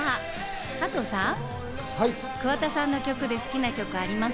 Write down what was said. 加藤さん、桑田さんの曲で好きな曲あります？